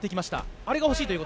あれが欲しいと？